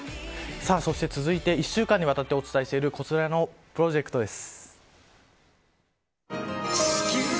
そして続いて１週間にわたってお伝えしているこちらのプロジェクトです。